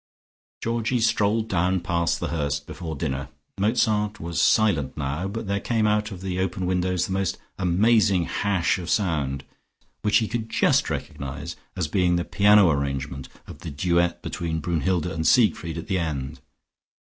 Georgie strolled down past The Hurst before dinner. Mozart was silent now, but there came out of the open windows the most amazing hash of sound, which he could just recognise as being the piano arrangement of the duet between Brunnhilde and Siegfried at the end.